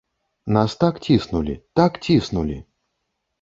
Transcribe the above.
На нас так ціснулі, так ціснулі!